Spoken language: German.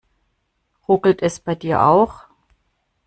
Ruckelt es bei dir auch?